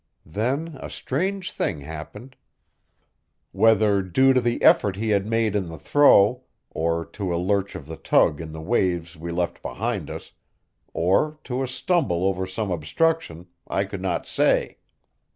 Then a strange thing happened. Whether due to the effort he had made in the throw, or to a lurch of the tug in the waves we left behind us, or to a stumble over some obstruction, I could not say.